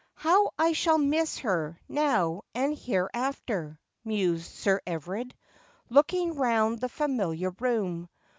' How I shall miss her, now and hereafter !' mused Sir Everard, looking round the familiar room.